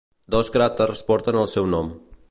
Dos cràters porten el seu nom.